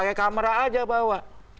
itu cara saja bahwa